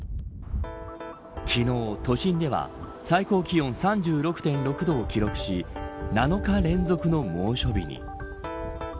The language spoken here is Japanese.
昨日、都心では最高気温３６．６度を記録し７日連続の猛暑日に。